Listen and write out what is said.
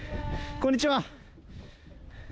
こんにちは。